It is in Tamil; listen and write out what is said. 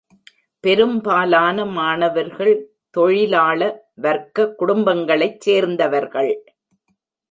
பெரும்பாலான மாணவர்கள் தொழிலாள வர்க்க குடும்பங்களைச் சேர்ந்தவர்கள்.